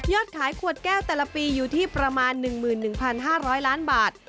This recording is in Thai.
ขายขวดแก้วแต่ละปีอยู่ที่ประมาณ๑๑๕๐๐ล้านบาท